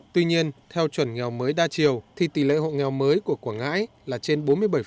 tuy nhiên theo chuẩn nghèo mới đa chiều thì tỷ lệ hộ nghèo mới của quảng ngãi là trên bốn mươi bảy